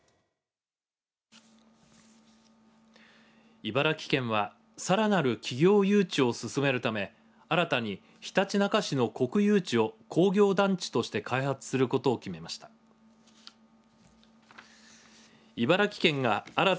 茨城県はさらなる企業誘致を進めるため新たにひたちなか市の国有地を工業団地として開発することを決めました。